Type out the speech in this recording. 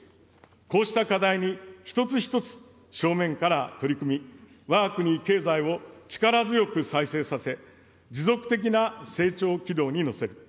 こうした課題に一つ一つ正面から取り組み、わが国経済を力強く再生させ、持続的な成長軌道に乗せる。